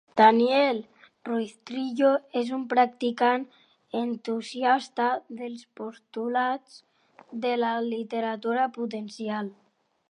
Daniel Ruiz-Trillo és un practicant entusiasta dels postulats de la literatura potencial.